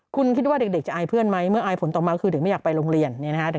คุณคิดว่าเด็กจะอายเพื่อนไหมเมื่ออายผลต่อมาคือเด็กไม่อยากไปโรงเรียน